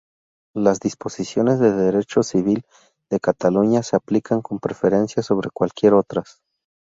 Las disposiciones del derecho civil de Cataluña se aplican con preferencia sobre cualquier otras.